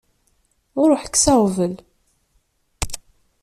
Ruḥ kkes aɣbel.